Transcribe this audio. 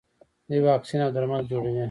دوی واکسین او درمل جوړوي.